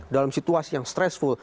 dalam situasi yang stresful